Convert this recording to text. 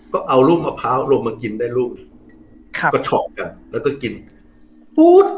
ก็เอาลูกมะพร้าวลงมากินได้ลูกก็ชอบกันแล้วก็กินปู๊ด